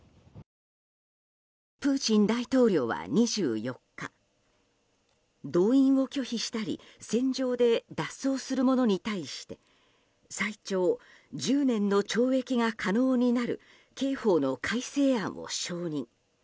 プーチン大統領は２４日動員を拒否したり戦場で脱走する者に対して最長１０年の懲役が可能になる刑法の改正案を承認。